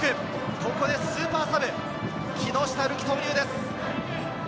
ここでスーパーサブ・木下瑠己を投入です。